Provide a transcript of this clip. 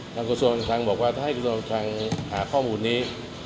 ทางกระทรวงศาลทางบอกว่าถ้าให้กระทรวงศาลทางหาข้อมูลนี้